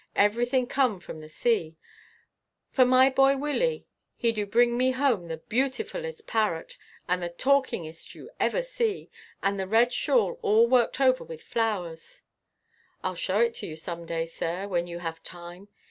Everything come from the sea. For my boy Willie he du bring me home the beautifullest parrot and the talkingest you ever see, and the red shawl all worked over with flowers: I'll show it to you some day, sir, when you have time.